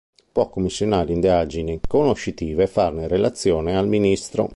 Può commissionare indagini conoscitive e farne relazione al ministro.